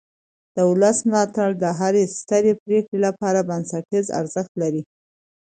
د ولس ملاتړ د هرې سترې پرېکړې لپاره بنسټیز ارزښت لري